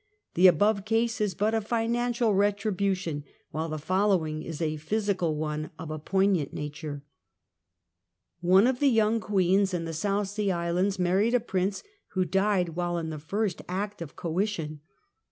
The above case is but a financial retribution while the following is a physical one oi^ poignant character: One of the young queens in the South Sea Islands married a prince who died while in the first act of coition.